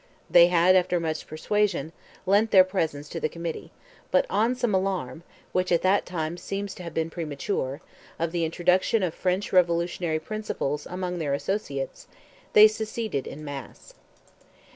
They had, after much persuasion, lent their presence to the Committee, but on some alarm, which at that time seems to have been premature, of the introduction of French revolutionary principles among their associates, they seceded in a mass.